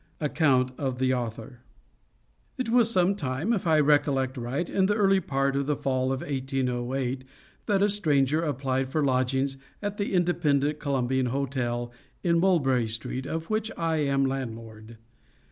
ACCOUNT OF THE AUTHOR It was some time, if I recollect right, in the early part of the fall of 1808, that a stranger applied for lodgings at the Independent Columbian Hotel in Mulberry Street, of which I am landlord.